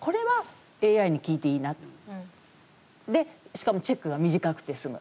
しかもチェックが短くて済む。